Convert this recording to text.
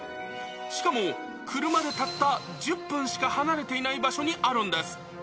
しかも、車でたった１０分しか離れていない場所にあるんです。